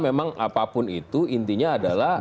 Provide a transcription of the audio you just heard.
memang apapun itu intinya adalah